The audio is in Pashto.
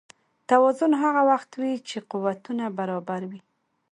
توازن هغه وخت وي چې قوتونه برابر وي.